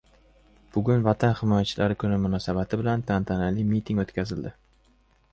Bugun Vatan himoyachilari kuni munosabati bilan tantanali miting oʻtkazildi.